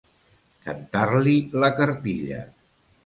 Cantar-li la cartilla.